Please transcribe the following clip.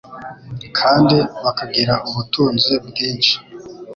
kandi bakagira ubutunzi bwinshi;